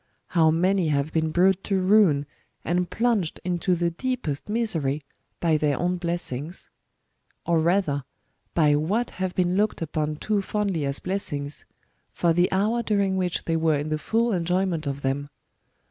How many have been brought to ruin and plunged into the deepest misery by their own blessings ? or rather, by what have been looked upon too fondly as blessings, for the hour during which they were in the full enjoj^ment of them.